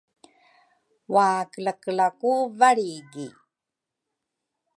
Wakelakela ku valrigi